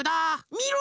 みろ！